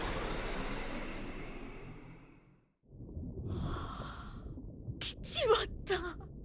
ああ来ちまった。